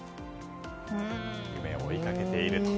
夢を追いかけていると。